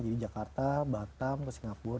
jadi jakarta batam ke singapur